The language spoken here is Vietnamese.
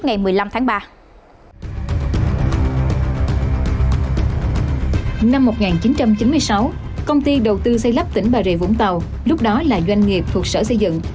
năm một nghìn chín trăm chín mươi sáu công ty đầu tư xây lắp tỉnh bà rịa vũng tàu lúc đó là doanh nghiệp thuộc sở xây dựng